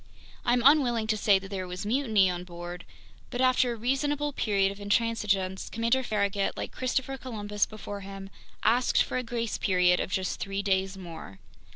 I'm unwilling to say that there was mutiny on board, but after a reasonable period of intransigence, Commander Farragut, like Christopher Columbus before him, asked for a grace period of just three days more.